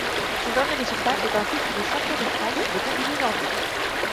Son dernier résultat est un titre de champion de France de combiné nordique.